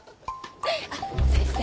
あっ先生